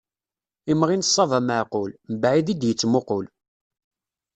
Imɣi n ṣṣaba maɛqul, mbaɛid i d-yettmuqul.